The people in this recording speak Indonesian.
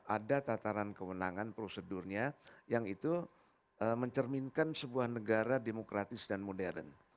ada tataran kewenangan prosedurnya yang itu mencerminkan sebuah negara demokratis dan modern